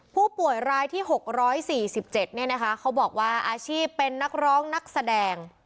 ผู้ป่วยรายที่๖๔๗เนี่ยนะคะเขาบอกว่าอาชีพเป็นนักร้องนักแสดง